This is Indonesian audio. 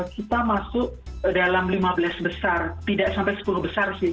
kita masuk dalam lima belas besar tidak sampai sepuluh besar sih